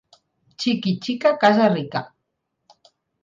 Xic i xica, casa rica.